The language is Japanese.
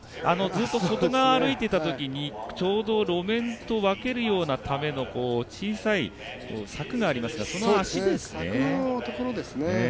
ずっと外側を歩いていたときにちょうど路面と分けるための、小さい柵がありますがその足ですね。